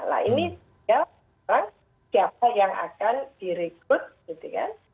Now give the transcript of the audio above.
nah ini sekarang siapa yang akan direkrut gitu kan